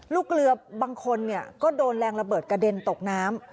ลูกเรือบางคนก็โดนแรงระเบิดกระเด็นตกน้ำ